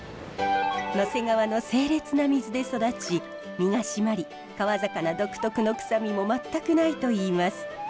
野迫川の清れつな水で育ち身がしまり川魚独特の臭みも全くないといいます。